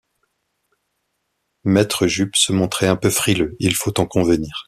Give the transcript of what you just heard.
Maître Jup se montrait un peu frileux, il faut en convenir